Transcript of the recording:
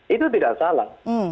itu tidak salah